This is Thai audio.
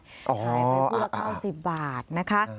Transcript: ขายไปคือ๙๐บาทนะคะ